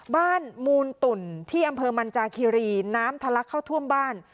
มูลตุ่นที่อำเภอมันจาคิรีน้ำทะลักเข้าท่วมบ้าน